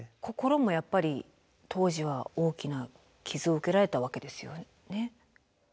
心もやっぱり当時は大きな傷を受けられたわけですよね。